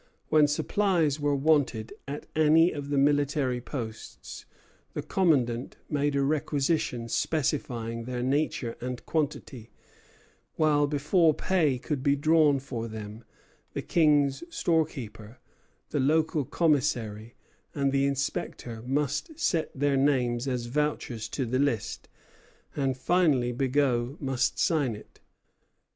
When supplies were wanted at any of the military posts, the commandant made a requisition specifying their nature and quantity, while, before pay could be drawn for them, the King's storekeeper, the local commissary, and the inspector must set their names as vouchers to the list, and finally Bigot must sign it.